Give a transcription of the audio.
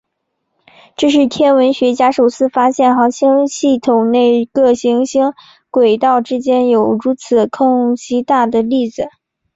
这是天文学家首次发现行星系统内各行星轨道之间有如此巨大空隙的例子。